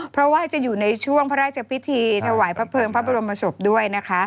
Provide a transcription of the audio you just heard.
เพราะว่าจะอยู่ในช่วงพระราชพิธีถวายพระเภิงพระบรมศพด้วยนะคะ